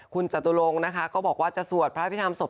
คุณจตุลงนะคะก็บอกว่าจะสวดพระพิธรรมศพ